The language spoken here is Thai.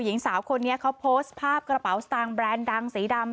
หญิงสาวคนนี้เขาโพสต์ภาพกระเป๋าสตางค์แบรนด์ดังสีดำ